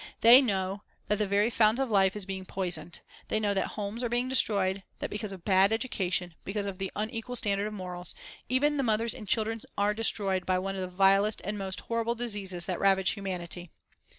They know that the very fount of life is being poisoned; they know that homes are being destroyed; that because of bad education, because of the unequal standard of morals, even the mothers and children are destroyed by one of the vilest and most horrible diseases that ravage humanity.